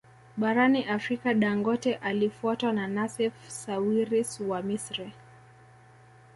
Barani Afrika Dangote alifuatwa na Nassef Sawiris wa Misri